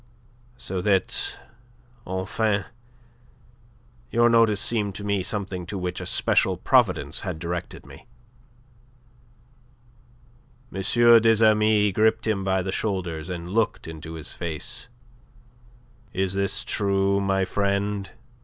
so that, enfin, your notice seemed to me something to which a special providence had directed me." M. des Amis gripped him by the shoulders, and looked into his face. "Is this true, my friend?"